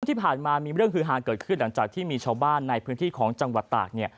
ที่ผ่านมามีเรื่องฮือฮาเกิดขึ้นหลังจากที่มีชาวบ้านในพื้นที่ของจังหวัดตาก